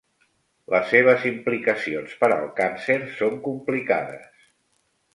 Les seves implicacions per al càncer són complicades.